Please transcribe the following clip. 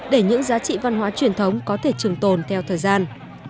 để những giá trị văn hóa truyền thống có thể trường tồn theo thời gian